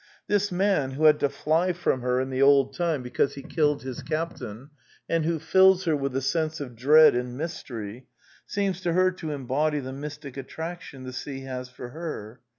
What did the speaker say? This man, who had to fly from her in the old time because he killed his captain, and who fills her with a sense of dread and mystery, seems to her to em body the mystic attraction the sea has for her.